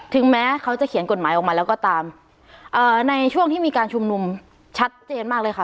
ถึงแม้เขาจะเขียนกฎหมายออกมาแล้วก็ตามเอ่อในช่วงที่มีการชุมนุมชัดเจนมากเลยค่ะ